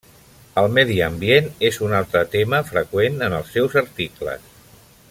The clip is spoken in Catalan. El medi ambient és un altre tema freqüent en els seus articles.